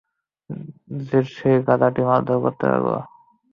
সে গাধাটিকে মারধর করতে লাগল।